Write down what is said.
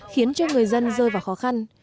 khiến cho người dân rơi vào khó khăn